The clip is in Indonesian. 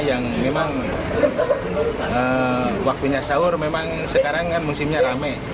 yang memang waktunya sahur memang sekarang kan musimnya rame